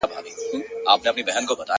سم روان سو د خاوند د خوني خواته٫